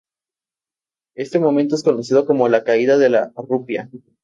Este momento es conocido como "la caída de la rupia".